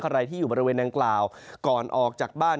ใครที่อยู่บริเวณดังกล่าวก่อนออกจากบ้าน